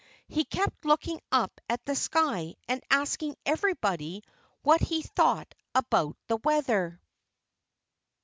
He kept looking up at the sky and asking everybody what he thought about the weather.